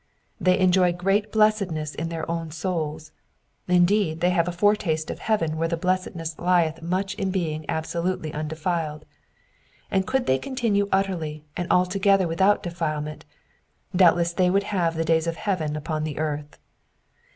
They enjoy great blessedness in their own souls ; indeed, they have a fore taste of heaven where the blessedness lieth much in being absolutely unde filed ; and could they continue utterly and altogether without defilement, doubtless they would have the days of heaven upon the earth.